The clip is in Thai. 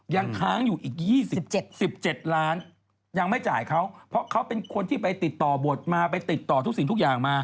ยังค้างอยู่อีก๒๗๑๗ล้านยังไม่จ่ายเขาเพราะเขาเป็นคนที่ไปติดต่อบทมาไปติดต่อทุกสิ่งทุกอย่างมา